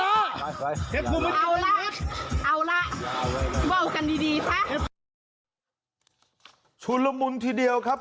เอาล่ะเอาล่ะว่ากันดีดีค่ะชุดละมุนทีเดียวครับ